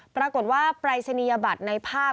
ปรากฏว่าปรายศนียบัตรในภาพ